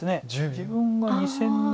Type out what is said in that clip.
自分が２線の。